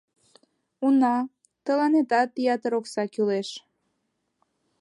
Уна, тыланетат ятыр окса кӱлеш...